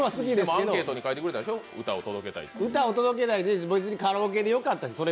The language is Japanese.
アンケートに書いてくれたでしょ歌を届けたいって別にカラオケでもよかったし。